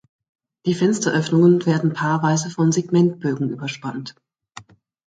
Die Fensteröffnungen werden paarweise von Segmentbögen überspannt.